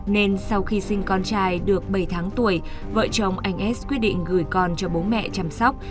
nên sau khi sinh con trai được bảy tháng tuổi vợ chồng anh s quyết định gửi con cho bố mẹ chăm sóc